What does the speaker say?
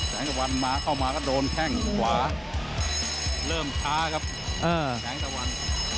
แสงถวัน